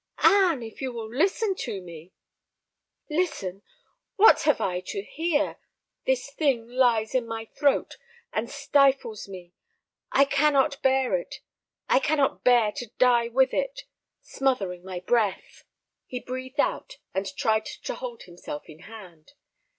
"Anne, if you will listen to me—" "Listen! What have I to hear? This thing lies in my throat—and stifles me. I cannot bear it, I cannot bear to die with it—smothering my breath." He breathed out, and tried to hold himself in hand.